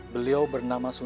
beliau bernama soka